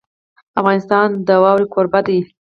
افغانستان د واوره کوربه دی.